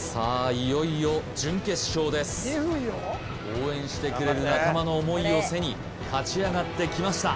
いよいよ準決勝です応援してくれる仲間の思いを背に勝ち上がってきました